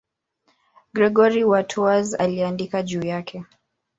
Gregori wa Tours aliandika juu yake.